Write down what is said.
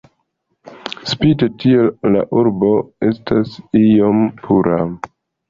Spite tion la urbo estas iom pura.